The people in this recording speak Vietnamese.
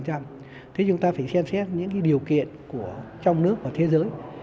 thế thì chúng ta phải xem xét những điều kiện trong nước và thế giới